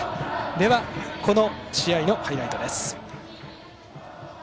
では、この試合のハイライトです。